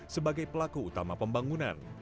sebagai pelaku utama pembangunan